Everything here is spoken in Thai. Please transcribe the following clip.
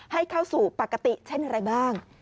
ให้เข้าสู่ปกติเช่นอะไรบ้าง